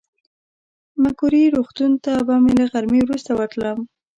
مګوري روغتون ته به له غرمې وروسته ورتلم.